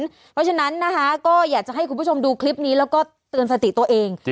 เพราะฉะนั้นนะคะก็อยากจะให้คุณผู้ชมดูคลิปนี้แล้วก็เตือนสติตัวเอง